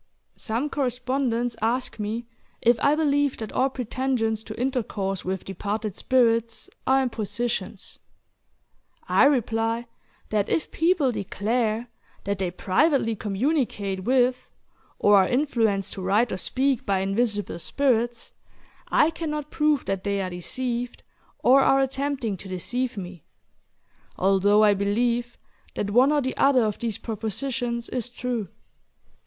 Some correspondents ask me if I believe that all pretensions to intercourse with departed spirits are impositions. I reply, that if people declare that they privately communicate with or are influenced to write or speak by invisible spirits, I cannot prove that they are deceived or are attempting to deceive me although I believe that one or the other of these propositions is true.